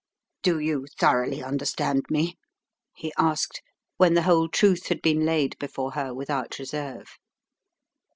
"Do you thoroughly understand me?" he asked, when the whole truth had been laid before her without reserve.